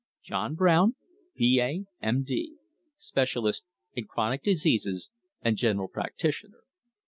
JOHN BROWN, B.A., M.D., Specialist in Chronic Diseases and General Practitioner.